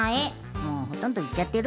もうほとんどいっちゃってるけど。